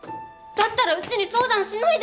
だったらうちに相談しないで。